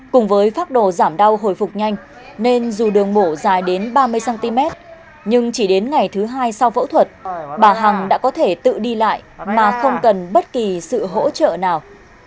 cùng với phác đồ giảm đau hồi phục nhanh nên dù đường mổ dài đến ba mươi cm nhưng chỉ đến ngày thứ hai sau phẫu thuật bà hằng đã có thể tự đi lại mà không cần bất kỳ sự hỗ trợ nào